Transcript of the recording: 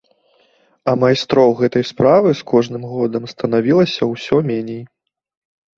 А майстроў гэтай справы з кожным годам станавілася ўсё меней.